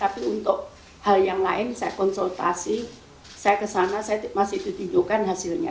saya konsultasi saya ke sana saya masih ditunjukkan hasilnya